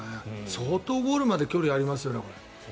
相当、ゴールまで距離がありますよね。